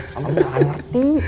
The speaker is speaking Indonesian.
kamu tak akan ngerti